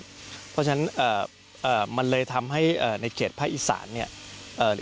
เพราะฉะนั้นมันเลยทำให้ในเขตภาคอีสานเนี่ย